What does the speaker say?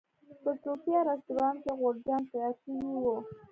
په صوفیا رسټورانټ کې غورچاڼ تیار شوی و.